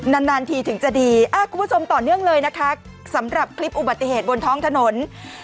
นานนานทีถึงจะดีคุณผู้ชมต่อเนื่องเลยนะคะสำหรับคลิปอุบัติเหตุบนท้องถนน